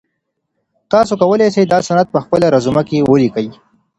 تاسو کولای سئ دا سند په خپله رزومه کي ولیکئ.